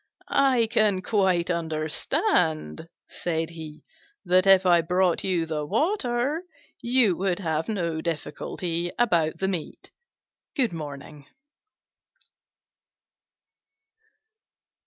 "I can quite understand", said he, "that if I brought you the water, you would have no difficulty about the meat. Good morning."